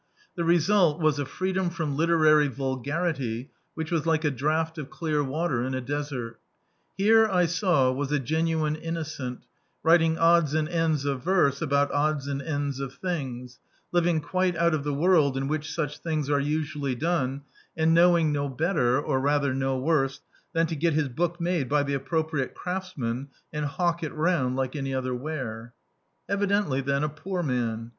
The result was a free dom from literary vulgarity which was like a draught of clear water in a desert Here, I saw, was a gen uine iimocent, writing odds and ends of verse about odds and ends of things, living quite out of the world in which such thin^ are usually done, and knowing no better (or rather no worse) than to get his book made by the appropriate craftsman and hawk it round like any other ware. Evidently, then, a poor man.